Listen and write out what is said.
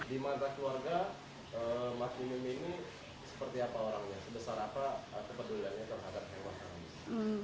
di mata keluarga mas bim bim ini seperti apa orangnya